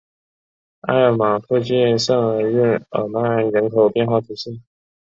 埃尔芒附近圣日耳曼人口变化图示